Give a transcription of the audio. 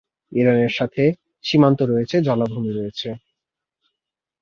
ইরানের সাথে সীমান্ত রয়েছে জলাভূমি রয়েছে।